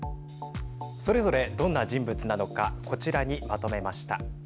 それぞれ、どんな人物なのかこちらにまとめました。